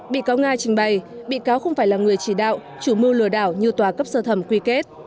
bị cáo nga trình bày bị cáo không phải là người chỉ đạo chủ mưu lừa đảo như tòa cấp sơ thẩm quy kết